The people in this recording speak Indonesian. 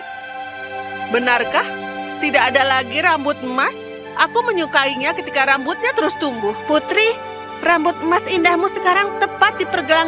ya potong rambutku juga benarkah tidak ada lagi rambut emas aku menyukainya ketika rambutnya terus tumbuh putri rambut emas indahmu sekarang tepat dipergelang